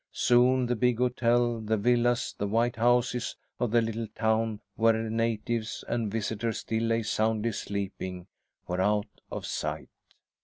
Soon the big hotel, the villas, the white houses of the little town where natives and visitors still lay soundly sleeping, were out of sight.